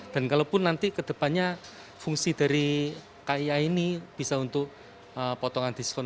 dan kalau pun nanti ke depannya fungsi dari kia ini bisa untuk potongan diskon